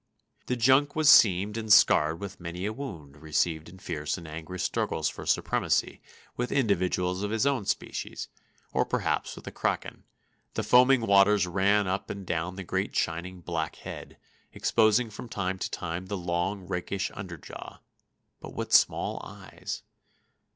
The junk was seamed and scarred with many a wound received in fierce and angry struggles for supremacy with individuals of its own species, or perhaps with the kraken; the foaming waters ran up and down the great shining black head, exposing from time to time the long, rakish under jaw; but what small eyes!